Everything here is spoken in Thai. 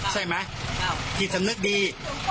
ใช่ไหมจิตสำนึกดี